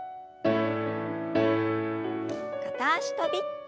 片足跳び。